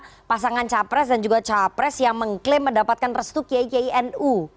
ada pasangan capres dan juga capres yang mengklaim mendapatkan restu kikinu